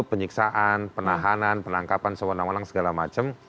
penyiksaan penahanan penangkapan semua orang orang segala macam